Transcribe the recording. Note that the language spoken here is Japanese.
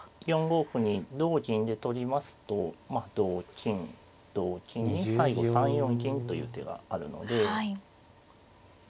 ４五歩に同銀で取りますとまあ同金同金に最後３四銀という手があるので。